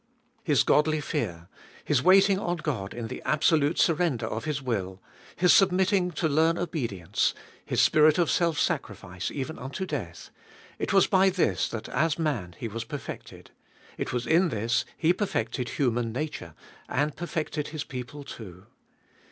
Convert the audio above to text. His godly fear, His waiting on God in the absolute surrender of His will, His submitting to learn obedience, His spirit of self sacrifice, even unto death, — it was by this that as man He was perfected, it was in this He perfected human nature, and perfected His people too.